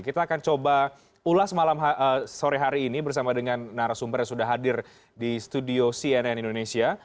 kita akan coba ulas malam sore hari ini bersama dengan narasumber yang sudah hadir di studio cnn indonesia